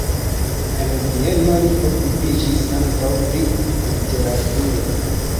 En Vieno li okupiĝis ankaŭ pri literaturo.